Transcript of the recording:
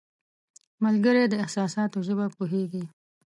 ملګری د احساساتو ژبه پوهیږي